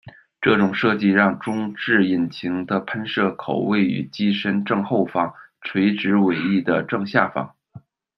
这种设计让中置引擎的喷射口位于机身正后方，垂直尾翼的正下方。